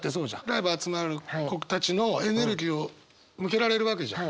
ライブ集まる子たちのエネルギーを向けられるわけじゃん。